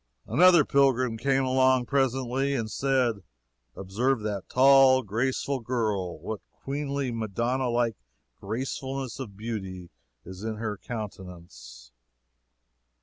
Another pilgrim came along presently and said: "Observe that tall, graceful girl; what queenly Madonna like gracefulness of beauty is in her countenance."